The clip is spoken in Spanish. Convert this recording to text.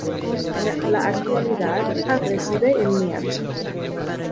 En la actualidad reside en Miami.